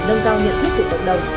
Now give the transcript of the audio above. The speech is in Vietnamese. nâng cao nhận thức của cộng đồng